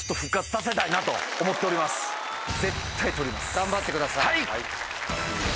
頑張ってください。